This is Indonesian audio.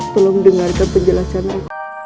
tolong dengarkan penjelasan aku